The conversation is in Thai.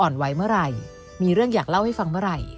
ไว้เมื่อไหร่มีเรื่องอยากเล่าให้ฟังเมื่อไหร่